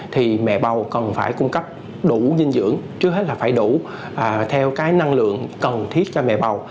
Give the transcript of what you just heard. thì mẹ bầu cần phải cung cấp đủ dinh dưỡng trước hết là phải đủ theo cái năng lượng cần thiết cho mẹ bầu